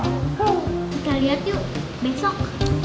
kita lihat yuk besok